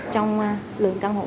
trong lượng căn hộ